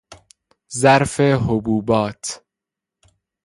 ظرف حبوبات